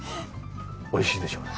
おいしいでしょう？